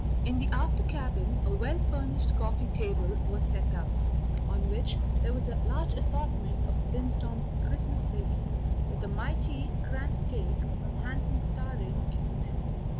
In the after cabin a well furnished coffee table was set out, on which there was a large assortment of Lindström's Christmas baking, with a mighty kransekake from Hansen's towering in the midst.